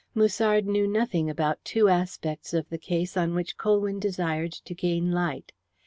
Musard knew nothing about two aspects of the case on which Colwyn desired to gain light.